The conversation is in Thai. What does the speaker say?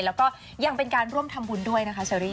แล้วก็ยังเป็นการร่วมทำบุญด้วยนะคะเชอรี่